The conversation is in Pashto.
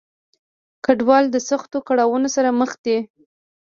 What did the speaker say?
کډوال د سختو کړاونو سره مخ دي.